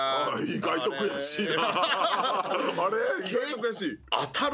意外と悔しい。